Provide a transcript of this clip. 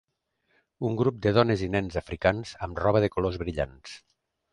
Un grup de dones i nens africans amb roba de colors brillants.